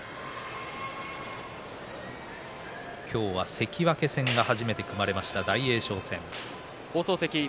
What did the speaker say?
今日は関脇戦、初めて組まれました大栄翔戦。